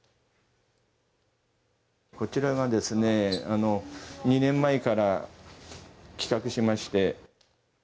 こちらがですね、２年前から企画しまして。